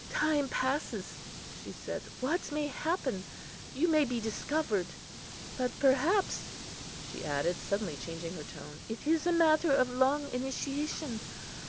"Time passes," she said; "what may happen? you may be discovered. But, perhaps," she added, suddenly changing her tone, "it is a matter of long initiation.